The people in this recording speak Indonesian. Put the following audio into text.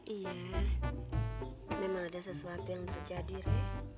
iya memang ada sesuatu yang terjadi rek